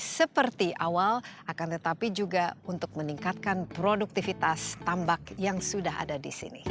seperti awal akan tetapi juga untuk meningkatkan produktivitas tambak yang sudah ada di sini